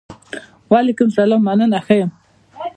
وعلیکم سلام! مننه ښۀ یم.